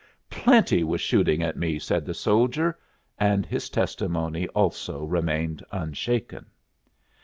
"Plenty was shooting at me," said the soldier. And his testimony also remained unshaken.